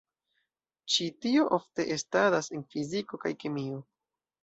Ĉi tio ofte estadas en fiziko kaj kemio.